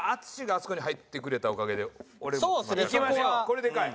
これでかい。